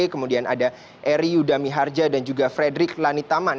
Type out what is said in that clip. kemudian ada eri udami harja dan juga frederick lanitaman